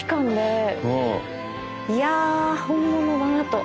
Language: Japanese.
いや本物だなと。